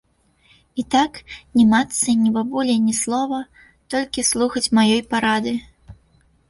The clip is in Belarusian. І так, ні матцы, ні бабулі ні слова, толькі слухаць маёй парады.